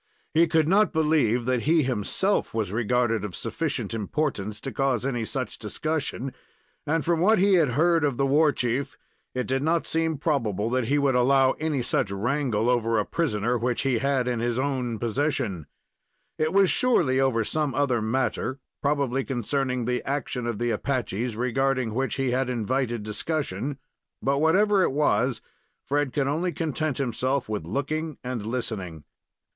He could not believe that he himself was regarded of sufficient importance to cause any such discussion, and from what he had heard of the war chief, it did not seem probable that he would allow any such wrangle over a prisoner which he had in his own possession. It surely was over some other matter, probably concerning the action of the Apaches, regarding which he had invited discussion; but whatever it was, Fred could only content himself with looking and listening.